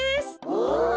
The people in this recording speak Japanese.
お！